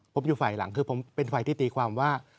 ผมอยู่ฝ่ายหลังคือผมเป็นฝ่ายที่ตีความว่า